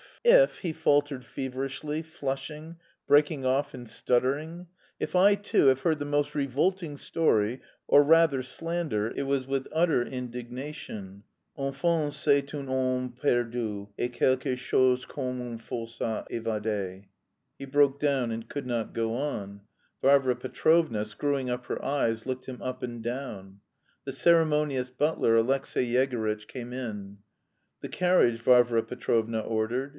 if..." he faltered feverishly, flushing, breaking off and stuttering, "if I too have heard the most revolting story, or rather slander, it was with utter indignation..._enfin c'est un homme perdu, et quelque chose comme un forçat evadé...._" He broke down and could not go on. Varvara Petrovna, screwing up her eyes, looked him up and down. The ceremonious butler Alexey Yegorytch came in. "The carriage," Varvara Petrovna ordered.